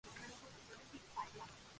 Tenía dos hermanos mayores Maurice y Desmond.